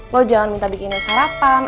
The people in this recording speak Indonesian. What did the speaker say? lo jangan minta bikinnya sarapan